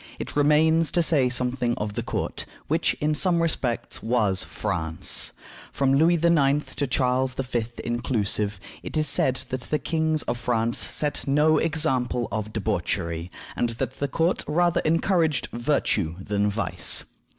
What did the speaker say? It remains to say something of the court, which, in some respects, was France. From Louis IX. to Charles V. inclusive, it is said that the kings of France set no example of debauchery, and that the court rather encouraged virtue than vice.